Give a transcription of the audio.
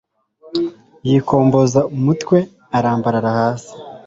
yikomboza umutwe, arambarara hasi